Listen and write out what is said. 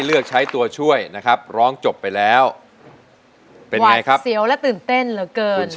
เดินเท่าไหร่